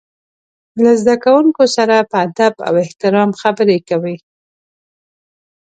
له زده کوونکو سره په ادب او احترام خبرې کوي.